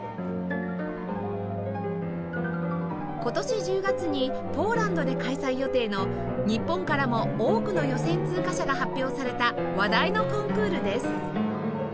今年１０月にポーランドで開催予定の日本からも多くの予選通過者が発表された話題のコンクールです